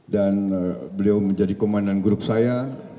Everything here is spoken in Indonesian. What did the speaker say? dan beliau menjadi komandan grup saya